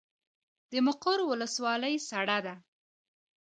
د مقر ولسوالۍ سړه ده